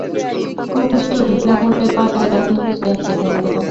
Chrome স্টোরে বিনা মূল্যে পাওয়া যায় এমন কিছু অ্যাপস এখানে দেওয়া হলো।